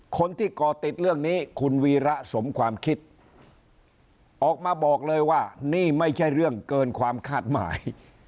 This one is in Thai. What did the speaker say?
ก่อติดเรื่องนี้คุณวีระสมความคิดออกมาบอกเลยว่านี่ไม่ใช่เรื่องเกินความคาดหมาย